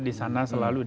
di sana selalu